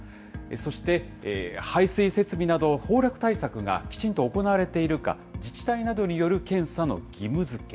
そして、排水設備など、崩落対策がきちんと行われているか、自治体などによる検査の義務づけ。